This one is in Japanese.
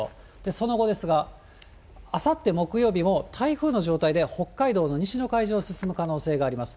その後ですが、あさって木曜日も台風の状態で北海道の西の海上を進む可能性があります。